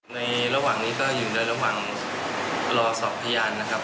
ในระหว่างนี้ก็อยู่ในระหว่างรอสอบพยานนะครับ